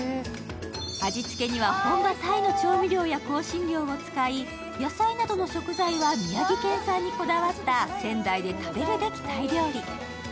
味付けには本場タイの調味料や香辛料を使い野菜などの食材は宮城県産にこだわった仙台で食べるべきタイ料理。